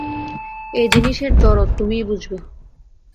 এ জিনিসের দরদ তুমিই বুঝবে।